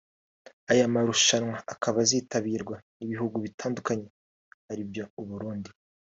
Aya marushanwa akaba izitabirwa n’ibihugu bitandukanye ari byo u Burundi